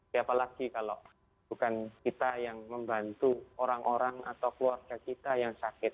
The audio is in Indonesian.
siapa lagi kalau bukan kita yang membantu orang orang atau keluarga kita yang sakit